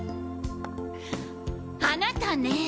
あなたねェ！